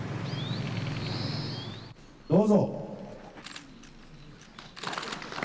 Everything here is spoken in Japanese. どうぞ。